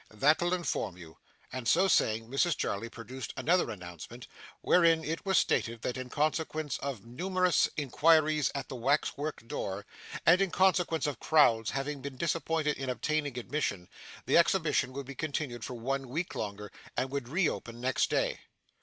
'That'll inform you.' And so saying Mrs Jarley produced another announcement, wherein it was stated, that, in consequence of numerous inquiries at the wax work door, and in consequence of crowds having been disappointed in obtaining admission, the Exhibition would be continued for one week longer, and would re open next day.